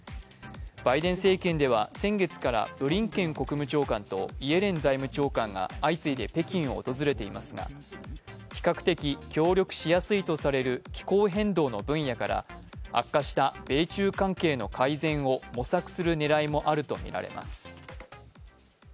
バイデン政権では先月からブリンケン国務長官とイエレン財務長官が相次いで北京を訪れていますが比較的、協力しやすいとされる気候変動の分野から悪化した米中関係の改善を模索する狙いもあるとみられます。